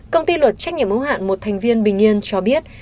công ty luật trách nhiệm ủng hạn một thành viên bình yên cho biết